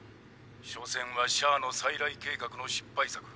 所詮はシャアの再来計画の失敗作。